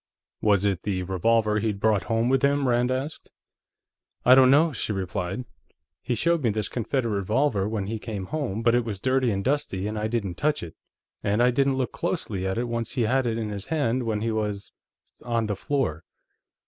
"Was it the revolver he'd brought home with him?" Rand asked. "I don't know," she replied. "He showed me this Confederate revolver when he came home, but it was dirty and dusty, and I didn't touch it. And I didn't look closely at the one he had in his hand when he was ... on the floor.